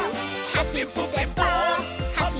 ハッピーぷぺぽ！」